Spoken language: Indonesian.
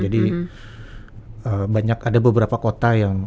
jadi banyak ada beberapa kota yang